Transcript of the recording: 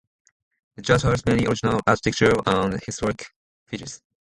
The church has many original architectural and historic features.